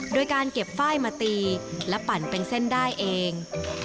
โดยการเก็บฝ้ายมาตีและปั่นเป็นเส้นได้เอง